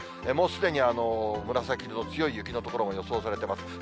もうすでに紫色の強い雪の所も予想されてます。